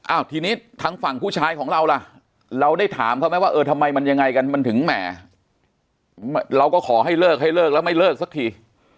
ทีนี้ทางฝั่งผู้ชายของเราล่ะเราได้ถามเขาไหมว่าเออทำไมมันยังไงกันมันถึงแหมเราก็ขอให้เลิกให้เลิกแล้วไม่เลิกสักที